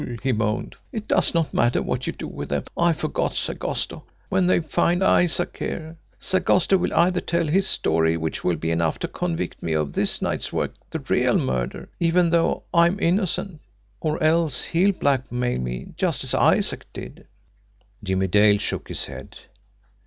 he moaned. "It does not matter what you do with them. I forgot Sagosto. When they find Isaac here, Sagosto will either tell his story, which will be enough to convict me of this night's work, the REAL murder, even though I'm innocent; or else he'll blackmail me just as Isaac did." Jimmie Dale shook his head.